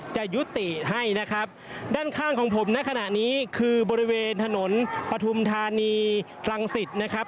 จะยุติให้นะครับด้านข้างของผมในขณะนี้คือบริเวณถนนปฐุมธานีรังสิตนะครับ